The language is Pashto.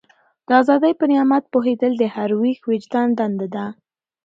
د ازادۍ په نعمت پوهېدل د هر ویښ وجدان دنده ده.